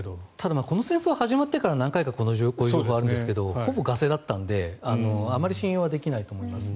この戦争が始まってから何回かこの情報がありますがほぼガセだったのであまり信用できないと思います。